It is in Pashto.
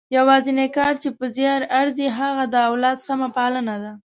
یوازنۍ کار چې په زیار ارزي هغه د اولاد سمه پالنه ده.